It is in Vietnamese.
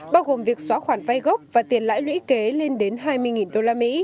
bao gồm việc xóa khoản vay gốc và tiền lãi lũy kế lên đến hai mươi usd